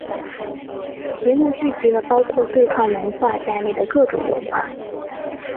节日聚集了包括对抗文化在内的各种文化。